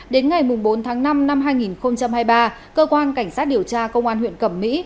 đến ngày bốn tháng năm năm hai nghìn hai mươi ba cơ quan cảnh sát điều tra công an huyện cẩm mỹ